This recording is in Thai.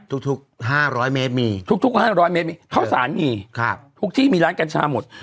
ทุก๕๐๐เมตรมีเข้าสารมีทุกที่มีร้านการชาหมด